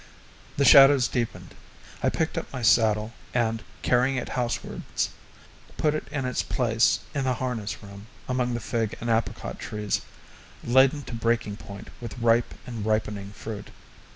The shadows deepened; I picked up my saddle, and, carrying it housewards, put it in its place in the harness room among the fig and apricot trees laden to breaking point with ripe and ripening fruit.